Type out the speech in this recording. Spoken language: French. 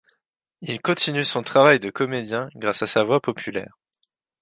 Il continue son travail de comédien grâce à sa voix populaire.